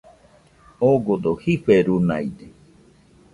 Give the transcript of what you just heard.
Ogodo jiferunaide